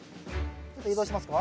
ちょっと移動しますか。